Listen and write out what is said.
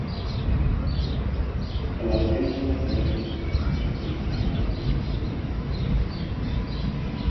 The Los Angeles Lakers defeated the Miami Heat in six games.